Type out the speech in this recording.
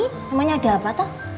namanya ada apa tuh